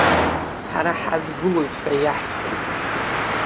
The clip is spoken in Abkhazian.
Ҳара ҳадгылоит ҳәа иаҳҳәеит.